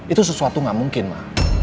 itu sesuatu gak mungkin ma